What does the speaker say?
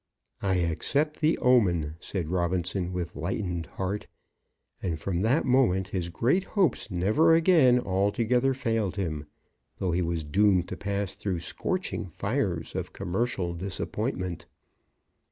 "I accept the omen," said Robinson, with lightened heart; and from that moment his great hopes never again altogether failed him, though he was doomed to pass through scorching fires of commercial disappointment.